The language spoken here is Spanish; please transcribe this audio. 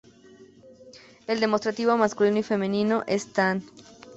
El demostrativo masculino y femenino es "tann".